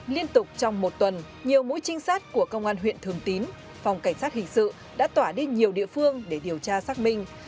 liên tục trong một tuần nhiều mũi trinh sát của công an huyện thường tín phòng cảnh sát hình sự đã tỏa đi nhiều địa phương để điều tra xác minh